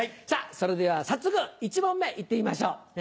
さあ、それでは早速、１問目、いってみましょう。